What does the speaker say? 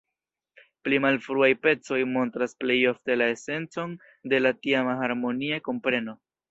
Pli malfruaj pecoj montras plej ofte la esencon de la tiama harmonia kompreno.